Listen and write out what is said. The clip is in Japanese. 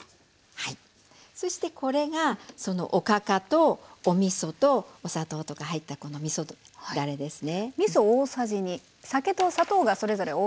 そしてこれがおかかとおみそとお砂糖とか入ったみそだれですね。